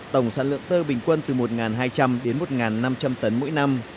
tổng sản lượng tơ bình quân từ một hai trăm linh đến một năm trăm linh tấn mỗi năm